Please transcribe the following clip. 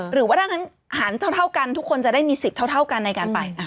หรือว่าถ้างั้นหารเท่ากันทุกคนจะได้มีสิทธิ์เท่ากันในการไป